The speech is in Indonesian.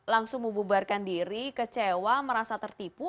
langsung membubarkan diri kecewa merasa tertipu